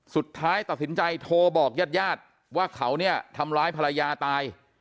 สุดท้ายตัดสินใจโทรบอกญาติญาติว่าเขาเนี่ยทำร้ายภรรยาตาย